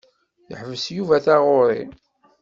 Yeḥbes Yuba taɣuṛi.